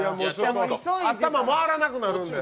頭、回らなくなるんで。